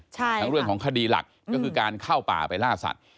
ทั้งเรื่องของคดีหลักก็คือการเข้าป่าไปล่าสัตว